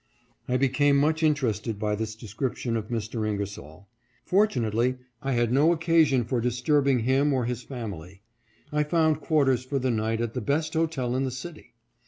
I became much interested by this de scription of Mr. Ingersoll. Fortunately I had no occasion for disturbing him or his family. I found quarters for the night at the best hotel in the city.